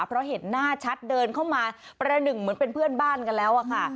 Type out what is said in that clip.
เพราะเห็นหน้าชัดเดินเข้ามาประหนึ่งเหมือนเป็นเพื่อนบ้านกันแล้วอะค่ะ